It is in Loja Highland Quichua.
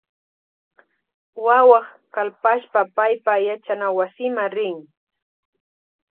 Wawak kalpashpa paypa yachanawasima rin.